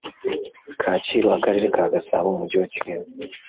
Kacyiru Akarere ka Gasabo Umujyi wa Kigali